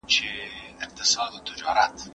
ایا لوی صادروونکي وچ انار ساتي؟